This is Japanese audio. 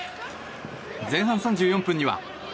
前半３４分には。